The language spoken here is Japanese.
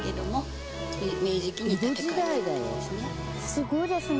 すごいですね。